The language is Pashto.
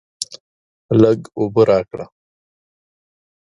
لږ اوبه راکړه!